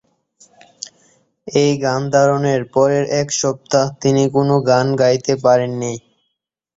এই গান ধারণের পরের এক সপ্তাহ তিনি কোন গান গাইতে পারেননি।